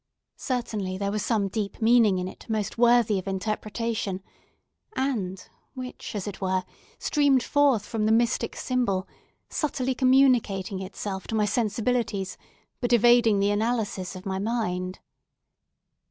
Certainly there was some deep meaning in it most worthy of interpretation, and which, as it were, streamed forth from the mystic symbol, subtly communicating itself to my sensibilities, but evading the analysis of my mind.